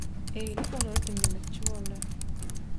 Egilip olary diňlemekçi boldy.